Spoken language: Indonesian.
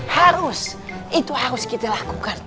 harus itu harus kita lakukan